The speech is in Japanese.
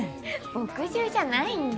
墨汁じゃないんで。